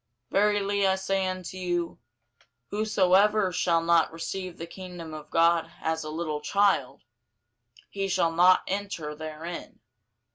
Verily I say unto you, Whosoever shall not receive the kingdom of God as a little child, he shall not enter therein.